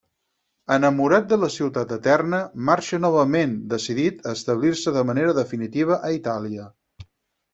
Enamorat de la Ciutat Eterna, marxa novament, decidit a establir-se de manera definitiva a Itàlia.